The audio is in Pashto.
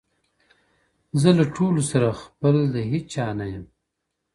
زه له ټولو سره خپل د هیچا نه یم،